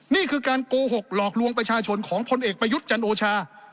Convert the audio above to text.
นี่คือการโกหกหลอกลวงประชาชนของพลเอกประยุทธ์จันโอชา